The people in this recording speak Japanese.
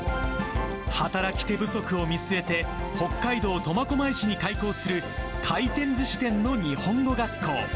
働き手不足を見据えて、北海道苫小牧市に開校する、回転ずし店の日本語学校。